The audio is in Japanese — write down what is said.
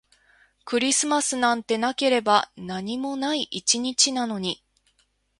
クリスマスなんてなければ何にもない一日なのに